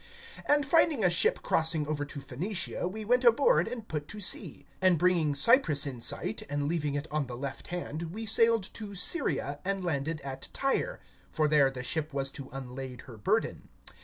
(2)And finding a ship crossing over to Phoenicia, we went aboard, and put to sea. (3)And bringing Cyprus in sight, and leaving it on the left hand, we sailed to Syria, and landed at Tyre; for there the ship was to unlade her burden.